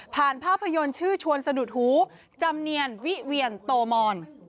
ภาพยนตร์ชื่อชวนสะดุดหูจำเนียนวิเวียนโตมอน